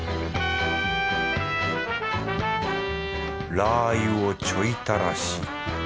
ラー油をちょい垂らし。